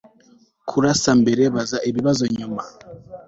Kurasa mbere baza ibibazo nyuma